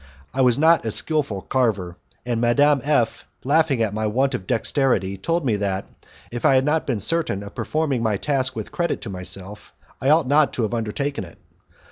I was not a skilful carver, and Madame F , laughing at my want of dexterity, told me that, if I had not been certain of performing my task with credit to myself, I ought not to have undertaken it.